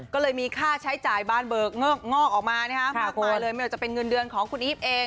ก็เลยมีค่าใช้จ่ายบานเบิกงอกงอกออกมามากมายเลยไม่ว่าจะเป็นเงินเดือนของคุณอีฟเอง